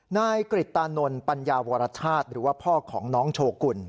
นายกริตตานนทัญญาวรชาติหรือว่าพ่อของน้องโชกุล